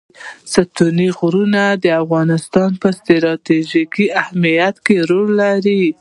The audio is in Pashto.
ستوني غرونه د افغانستان په ستراتیژیک اهمیت کې رول لري.